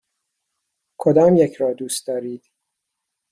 کدامیک را دوست دارید؟